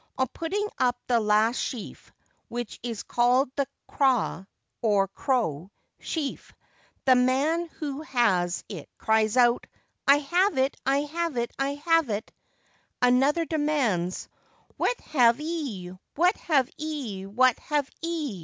On putting up the last sheaf, which is called the craw (or crow) sheaf, the man who has it cries out 'I have it, I have it, I have it;' another demands, 'What have 'ee, what have 'ee, what have 'ee?